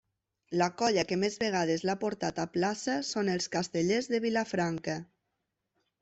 La colla que més vegades l'ha portat a plaça són els Castellers de Vilafranca.